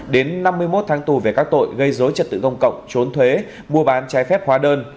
đến năm mươi một tháng tù về các tội gây dối trật tự công cộng trốn thuế mua bán trái phép hóa đơn